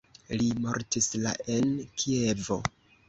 Li mortis la en Kievo.